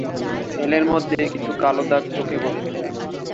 Sell এর মধ্যে কিছু কালো দাগ চোখে পড়ে।